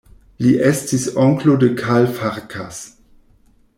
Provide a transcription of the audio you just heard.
Li estis onklo de Karl Farkas.